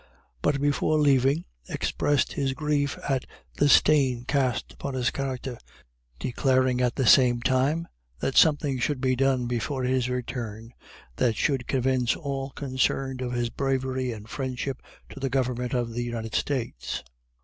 But before leaving, expressed his grief at the stain cast upon his character declaring at the same time that something should be done before his return that should convince all concerned of his bravery and friendship to the Government of the United States.